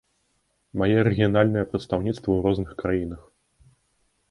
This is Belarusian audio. Мае рэгіянальныя прадстаўніцтвы ў розных краінах.